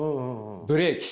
ブレーキ。